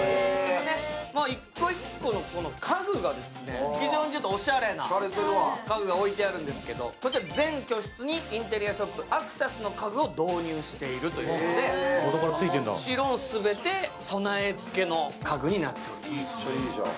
１個１個の家具が非常におしゃれな家具が置いてあるんですけど、こちら全居室にインテリアショップアクタスの家具を備え付けているということでもちろん全て備えつけの家具になっております